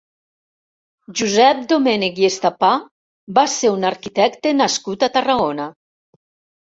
Josep Domènech i Estapà va ser un arquitecte nascut a Tarragona.